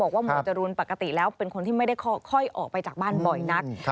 หมวดจรูนปกติแล้วเป็นคนที่ไม่ได้ค่อยออกไปจากบ้านบ่อยนัก